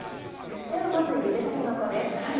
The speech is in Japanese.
ではまずゆでたけのこです。